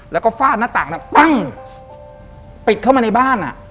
แล้วก็ฟาดหน้าต่างแล้วปิดเข้ามาในบ้าน